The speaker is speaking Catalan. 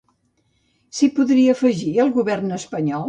S'hi podria afegir el govern espanyol?